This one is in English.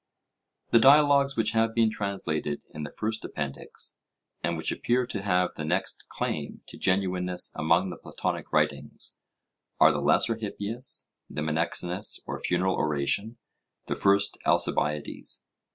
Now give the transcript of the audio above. The dialogues which have been translated in the first Appendix, and which appear to have the next claim to genuineness among the Platonic writings, are the Lesser Hippias, the Menexenus or Funeral Oration, the First Alcibiades.